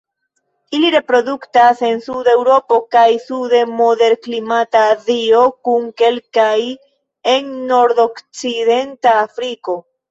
Ili reproduktas en suda Eŭropo kaj suda moderklimata Azio kun kelkaj en nordokcidenta Afriko.